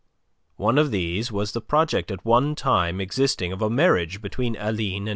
One of these was the project at one time existing of a marriage between Aline and M.